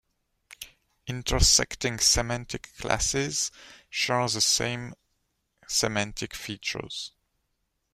Intersecting semantic classes share the same semantic features.